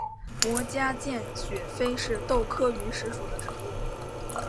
膜荚见血飞是豆科云实属的植物。